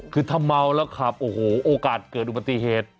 คือถ้าเมาแล้วขับโอ้โหโอกาสเกิดอุบัติเหตุ